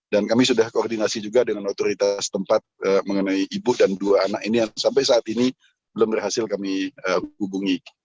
dan kami sudah koordinasi juga dengan otoritas tempat mengenai ibu dan dua anak ini yang sampai saat ini belum berhasil kami hubungi